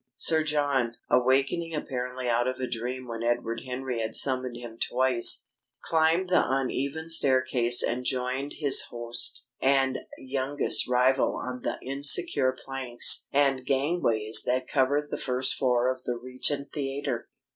Sir John, awaking apparently out of a dream when Edward Henry had summoned him twice, climbed the uneven staircase and joined his host and youngest rival on the insecure planks and gangways that covered the first floor of the Regent Theatre.